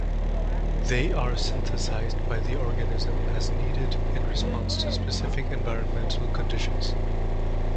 They are synthesized by the organism as needed, in response to specific environmental conditions.